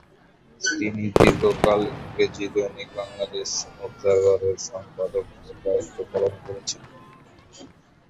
তিনি দীর্ঘকাল ইংরেজি দৈনিক বাংলাদেশ অবজার্ভার-এর সম্পাদক-এর দায়িত্ব পালন করেছেন।